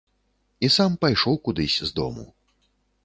І сам пайшоў кудысь з дому.